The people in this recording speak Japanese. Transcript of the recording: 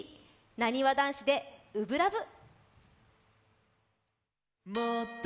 なにわ男子で、「初心ＬＯＶＥ」。